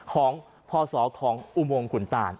ของพศของอุโมงขุนตาน